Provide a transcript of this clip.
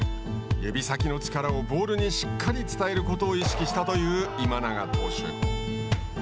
指先の力をボールにしっかり伝えることを意識したという今永投手。